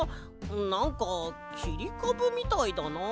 なんかきりかぶみたいだな。